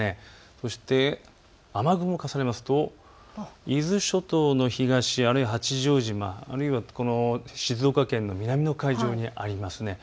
そして雨雲を重ねると伊豆諸島の東、あるいは八丈島、あるいは静岡県の南の海上にあります。